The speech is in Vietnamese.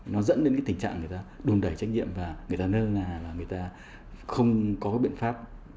nó dẫn đến cái tình trạng người ta đùm đẩy trách nhiệm và người ta nơi là người ta không có biện pháp